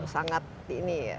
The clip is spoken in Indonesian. sangat ini ya